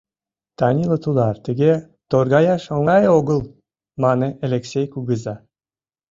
— Танила тулар, тыге торгаяш оҥай огыл, — мане Элексей кугыза.